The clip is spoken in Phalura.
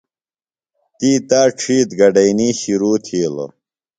تی تا ڇِھیتر گڈئینی شرو تِھیلوۡ۔